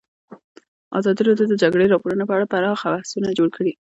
ازادي راډیو د د جګړې راپورونه په اړه پراخ بحثونه جوړ کړي.